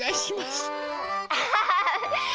アハハハハ！